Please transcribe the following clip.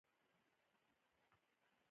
د جمهوریت د وخت اقتصادي وده حیرانوونکې وه.